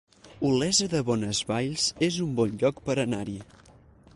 Olesa de Bonesvalls es un bon lloc per anar-hi